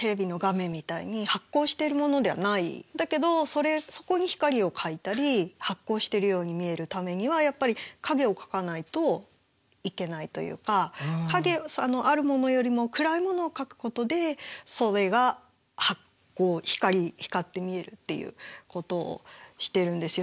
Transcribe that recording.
だけどそこに光を描いたり発光してるように見えるためにはやっぱり影を描かないといけないというかあるものよりも暗いものを描くことでそれが光って見えるっていうことをしてるんですよね。